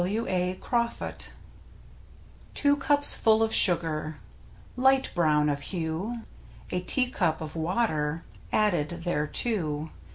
— W. A. Croffut. Two cups full of sugar — light brown of hue — A tea cup of water, added thereto.